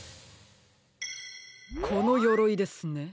このよろいですね。